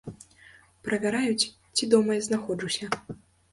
Правяраюць, ці дома я знаходжуся.